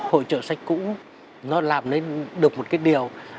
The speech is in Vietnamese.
hội trợ sách cũ nó làm nên được một cái điều